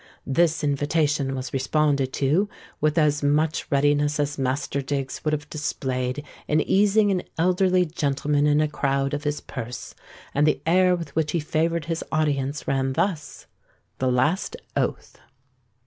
This invitation was responded to with as much readiness as Master Diggs would have displayed in easing an elderly gentleman in a crowd of his purse; and the air with which he favoured his audience ran thus:— THE LAST OATH.